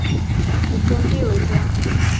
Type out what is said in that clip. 以天地为家